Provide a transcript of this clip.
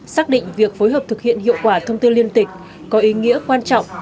xác định việc phối hợp thực hiện hiệu quả thông tư liên tịch có ý nghĩa quan trọng